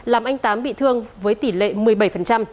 làm anh tám bị thương với tỷ lệ một mươi bảy